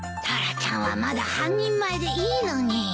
タラちゃんはまだ半人前でいいのに。